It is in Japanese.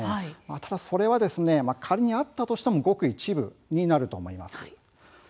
ただそれは、仮にあったとしてもごく一部だと思います。